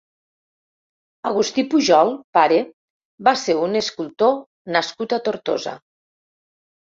Agustí Pujol (pare) va ser un escultor nascut a Tortosa.